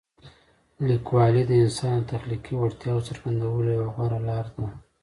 لیکوالی د انسان د تخلیقي وړتیاوو څرګندولو یوه غوره لاره ده.